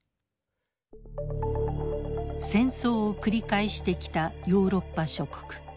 戦争を繰り返してきたヨーロッパ諸国。